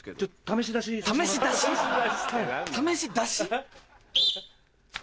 試し出し？